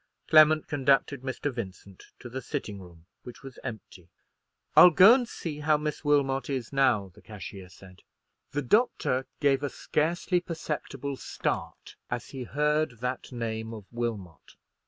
Clement conducted Mr. Vincent to the sitting room, which was empty. "I'll go and see how Miss Wilmot is now," the cashier said. The doctor gave a scarcely perceptible start as he heard that name of Wilmot.